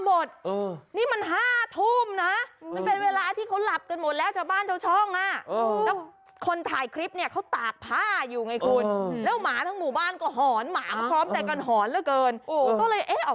พี่มาร์คหน้าหรืออะไรไว้หรือเปล่า